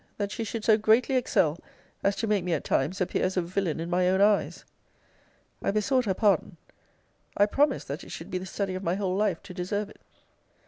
that she should so greatly excel, as to make me, at times, appear as a villain in my own eyes! I besought her pardon. I promised that it should be the study of my whole life to deserve it.